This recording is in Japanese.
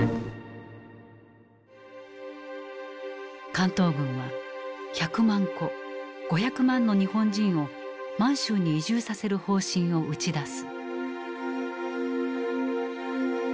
関東軍は１００万戸５００万の日本人を満州に移住させる方針を打ち出す。